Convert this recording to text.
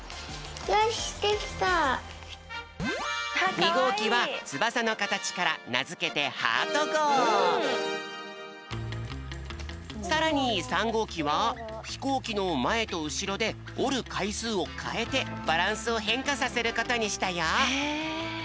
２ごうきはつばさのかたちからなづけてさらに３ごうきはひこうきのまえとうしろでおるかいすうをかえてバランスをへんかさせることにしたよ。